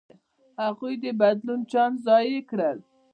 هغوی د بدلون چانس ضایع کړ.